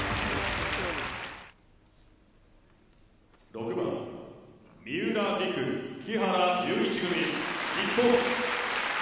「６番三浦璃来木原龍一組日本」。